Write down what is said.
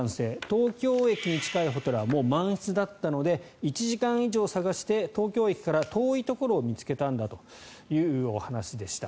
東京駅に近いホテルはもう満室だったので１時間以上探して東京駅から遠いところを見つけたんだというお話でした。